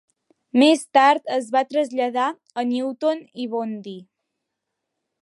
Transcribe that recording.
Més tard es va traslladar a Newtown i Bondi.